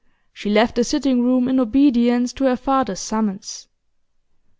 She left the sitting room in obedience to her father's summons.